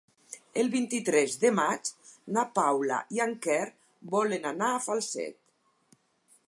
El vint-i-tres de maig na Paula i en Quer volen anar a Falset.